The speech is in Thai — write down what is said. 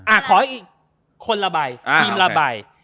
อ่าขอให้คนละใบทีมละใบ